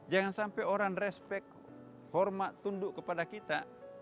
jangan sampai orang respect hormat tunduk kepada kita